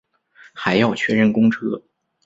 还要确认公车